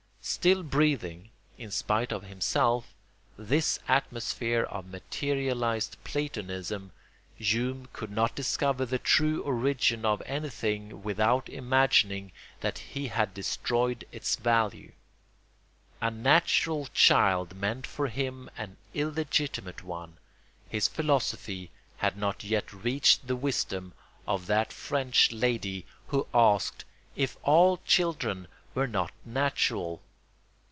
Still breathing, in spite of himself, this atmosphere of materialised Platonism, Hume could not discover the true origin of anything without imagining that he had destroyed its value. A natural child meant for him an illegitimate one; his philosophy had not yet reached the wisdom of that French lady who asked if all children were not natural.